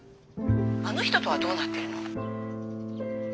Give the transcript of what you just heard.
あの人とはどうなってるの？